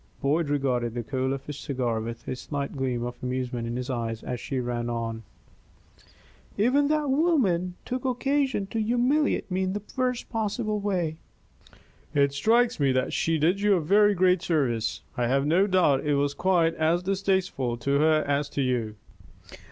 Boyd regarded the coal of his cigar with a slight gleam of amusement in his eyes as she ran on: "Even that woman took occasion to humiliate me in the worst possible way." "It strikes me that she did you a very great service. I have no doubt it was quite as distasteful to her as to you."